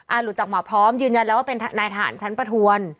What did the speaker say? หลุดจากหมอพร้อมยืนยันแล้วว่าเป็นนายทหารชั้นประทวน